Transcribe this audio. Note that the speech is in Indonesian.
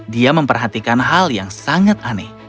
dia memperhatikan hal yang sangat aneh